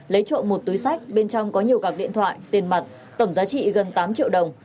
lấy trộm một túi sách bên trong có nhiều cặp điện thoại tiền mặt tổng giá trị gần tám triệu đồng